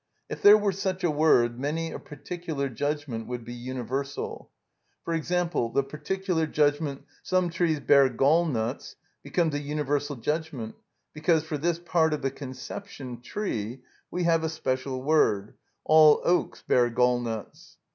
If there were such a word many a particular judgment would be universal. For example, the particular judgment, "Some trees bear gall nuts," becomes a universal judgment, because for this part of the conception, "tree," we have a special word, "All oaks bear gall nuts."